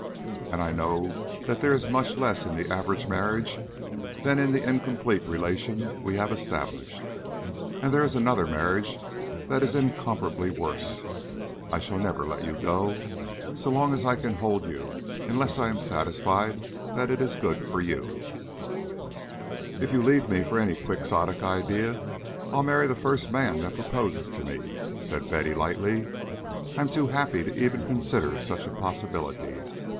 And I know that there is much less in the average marriage than in the incomplete relation we have established. And there is another marriage that is incomparably worse. I shall never let you go so long as I can hold you unless I am satisfied that it is for your good." "If you leave me for any Quixotic idea, I'll marry the first man that proposes to me," said Betty, lightly. "I am too happy to even consider such a possibility.